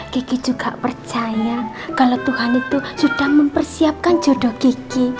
gigi juga percaya kalau tuhan itu sudah mempersiapkan jodoh gigi